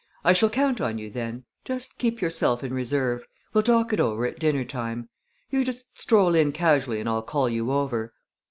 I shall count on you then. Just keep yourself in reserve. We'll talk it over at dinner time. You just stroll in casually and I'll call you over.